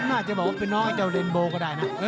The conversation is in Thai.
น่าจะบอกว่าเป็นน้องไอ้เจ้าเรนโบก็ได้นะ